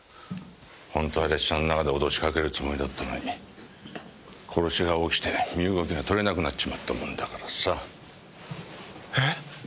本当は列車の中で脅しかけるつもりだったのに殺しが起きて身動きがとれなくなっちまったもんだからさ。え？